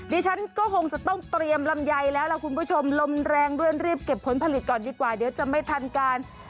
ดิฉันก็คงจะต้องเตรียมลำไยแล้วล่ะคุณผู้ชมลมแรงด้วยรีบเก็บผลผลิตก่อนดีกว่าเดี๋ยวจะไม่ทันการ